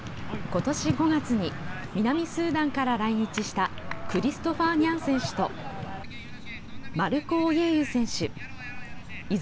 ことし５月に、南スーダンから来日したクリストファー・ニャン選手とマルコ・オイェユ選手。